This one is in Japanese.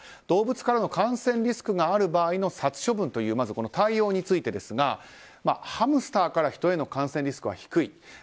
動物からの感染リスクがある場合の殺処分という対応についてですがハムスターからヒトへの感染リスクは低い。